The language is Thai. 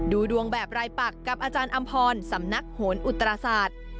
ดูดวงแบบรายปักกับอาจารย์อำพรสำนักโหนอุตราศาสตร์